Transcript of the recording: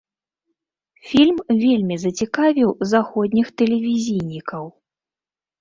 Фільм вельмі зацікавіў заходніх тэлевізійнікаў.